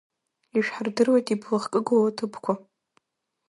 Ишәҳардыруеит иблахкыгоу аҭыԥқәа.